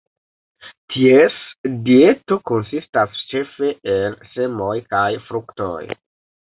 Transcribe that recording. Ties dieto konsistas ĉefe el semoj kaj fruktoj.